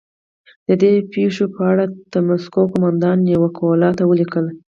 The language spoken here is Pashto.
د دې پېښو په تړاو د مسکو قومندان نیکولای ته ولیکل.